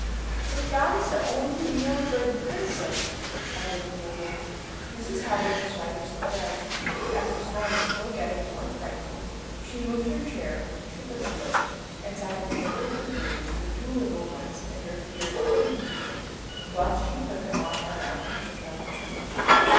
"'But God is the only real good person,' added Amelia. "Mrs. Howard was rather surprised, but as the storm was still getting more frightful, she moved her chair, shut the window, and sat in the middle of the room; the two little ones in their fear clinging to her, whilst she put an arm round each of them.